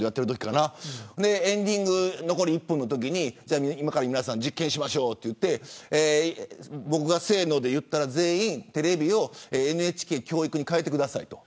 エンディング残り１分のときに皆さん今から実験しましょうと言ってせーので言ったら全員テレビをＮＨＫ教育に変えてくださいと。